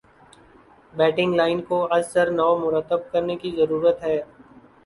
batting line کو ازسر نو مرتب کرنے کی ضرورت ہے